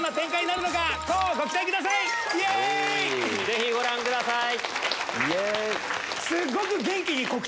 ぜひご覧ください。